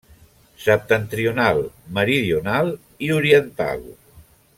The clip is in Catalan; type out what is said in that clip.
Septentrional, Meridional i Oriental.